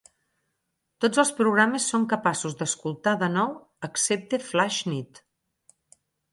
Tots els programes són capaços d'escoltar de nou excepte Flaix Nit.